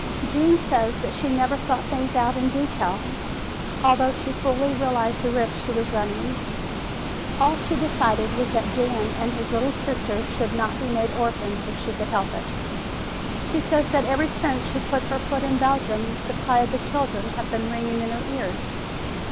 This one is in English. "Gene says she never thought things out in detail, although she fully realized the risk she was running. All she decided was that Jan and his little sister should not be made orphans if she could help it. She says that ever since she put her foot in Belgium the cry of the children has been ringing in her ears.